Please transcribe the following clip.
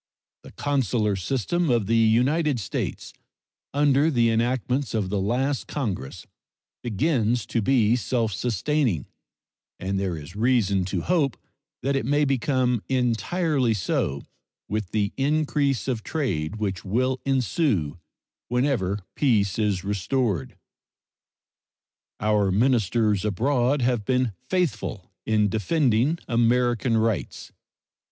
The consular system of the United States, under the enactments of the last Congress, begins to be self sustaining, and there is reason to hope that it may become entirely so with the increase of trade which will ensue whenever peace is restored. Our ministers abroad have been faithful in defending American rights.